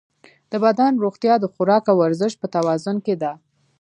د بدن روغتیا د خوراک او ورزش په توازن کې ده.